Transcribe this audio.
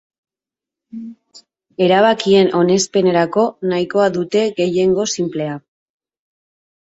Erabakien onespenerako nahikoa dute gehiengo sinplea.